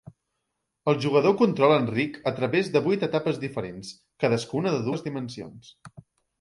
El jugador controla en Rick a través de vuit etapes diferents, cadascuna de dues dimensions.